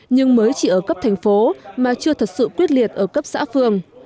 nhưng mới chỉ ở cấp thành phố mà chưa thật sự quyết liệt ở cấp xã phường